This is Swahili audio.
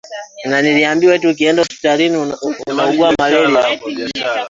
Sinai hakuwa anawapa Amri mpya ambazo walikuwa hawazifahamu kabla ya hapo bali alikuwa akiwakumbushia